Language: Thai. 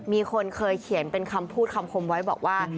มีคนเคยเขียนเป็นคำพูดคำคมไว้บอกว่า